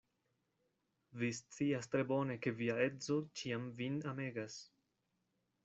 Vi scias tre bone, ke via edzo ĉiam vin amegas.